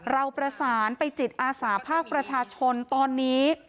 เราประสานไปจิตอาสาภาคประชาชนตอนนี้